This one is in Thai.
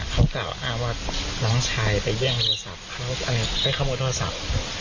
เขากล่าวอ้างว่าน้องชายไปแย่งโทรศัพท์เขาไปขโมยโทรศัพท์